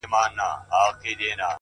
دي ښاد سي د ځواني دي خاوري نه سي ـ